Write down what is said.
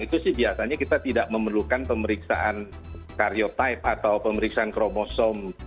itu sih biasanya kita tidak memerlukan pemeriksaan carriotype atau pemeriksaan kromosom